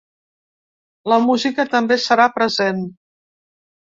La música també serà present.